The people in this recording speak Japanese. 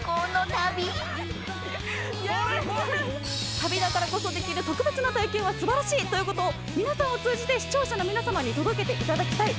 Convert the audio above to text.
旅だからこそできる特別な体験は素晴らしいということを皆さんを通じて視聴者の皆さまに届けていただきたい。